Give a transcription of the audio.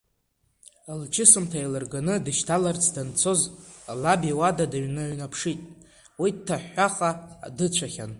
Лчысымҭа еилырганы дышьҭаларц данцоз лаб иуада дныҩнаԥшит, уи дҭаҳәахаа дыцәахьан.